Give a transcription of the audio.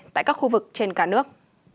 tại các khu vực trên cả nước